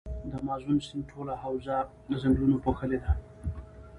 د مازون سیند ټوله حوزه ځنګلونو پوښلي ده.